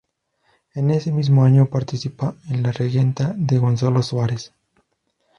Ese mismo año participa en "La Regenta", de Gonzalo Suárez.